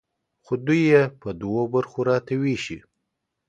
خو دوی یې په دوو برخو راته ویشي.